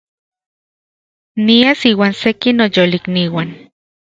Nias inuan seki noyolikniuan